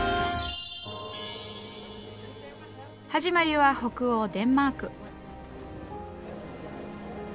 始まりは北欧デンマーク。